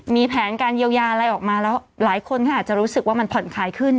มีแผนการเยียวยาอะไรออกมาแล้วหลายคนก็อาจจะรู้สึกว่ามันผ่อนคลายขึ้น